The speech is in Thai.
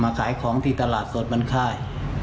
มาขายของที่ตลาดโสฯมันไข้